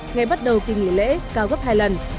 ngày bắt đầu kỳ nghỉ lễ cao gấp hai lần